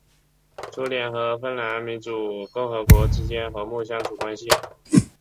苏联和芬兰民主共和国之间和睦相处关系。